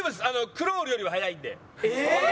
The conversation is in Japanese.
クロールよりは速いんで。